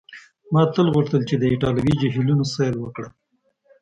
ما تل غوښتل چي د ایټالوي جهیلونو سیل وکړم.